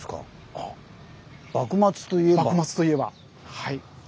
はい。